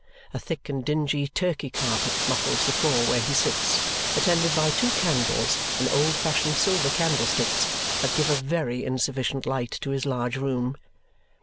A thick and dingy Turkey carpet muffles the floor where he sits, attended by two candles in old fashioned silver candlesticks that give a very insufficient light to his large room.